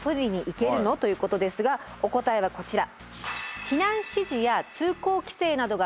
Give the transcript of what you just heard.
お答えはこちら。